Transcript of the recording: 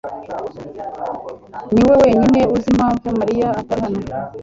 niwe wenyine uzi impamvu Mariya atari hano.